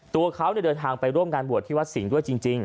ตัวเขาเดินทางไปร่วมงานบวชที่วัดสิงห์ด้วยจริง